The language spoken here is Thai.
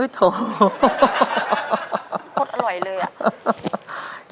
โคตรอร่อยเลยอ่ะ